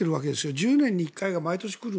１０年に１回が毎年来る。